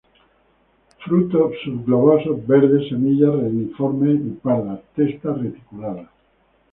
Frutos sub-globosos, verdes; semillas reniformes y pardas, testa reticulada.